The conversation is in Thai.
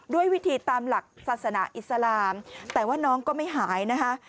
ด้วยวิธีตามหลักศาสนาอิสลามแต่ว่าน้องก็ไม่หายนะคะ